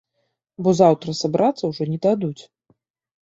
Бо заўтра сабрацца ўжо не дадуць.